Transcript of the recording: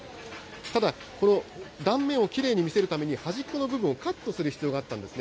ただ、この断面をきれいに見せるために、端っこの部分をカットする必要があったんですね。